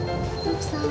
徳さん。